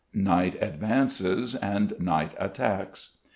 _Night Advances and Night Attacks.